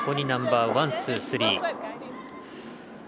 ナンバーワン、ツー、スリー。